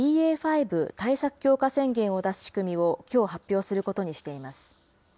５対策強化宣言を出す仕組みを、きょう発表することにしています。